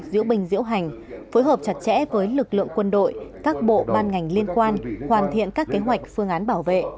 diễu bình diễu hành phối hợp chặt chẽ với lực lượng quân đội các bộ ban ngành liên quan hoàn thiện các kế hoạch phương án bảo vệ